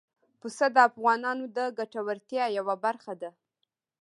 پسه د افغانانو د ګټورتیا یوه برخه ده.